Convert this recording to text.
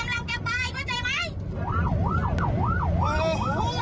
มันขับรถเป็นเปล่าวะไม่รู้